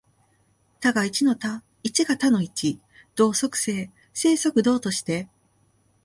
多が一の多、一が多の一、動即静、静即動として、